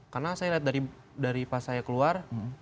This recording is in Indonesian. karena saya lihat dari pas saya keluar